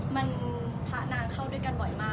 มันพระนางเข้าด้วยกันบ่อยมาก